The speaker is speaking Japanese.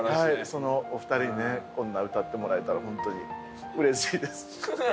そのお二人にねこんな歌ってもらえたら本当にうれしいです。